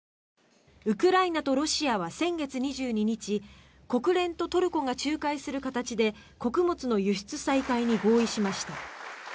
ウクライナとロシアは先月２２日国連とトルコが仲介する形で穀物の輸出再開に合意しました。